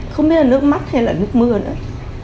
không biết là nước mắt hay là nước mưa nữa